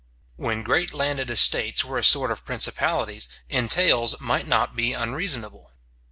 When great landed estates were a sort of principalities, entails might not be unreasonable.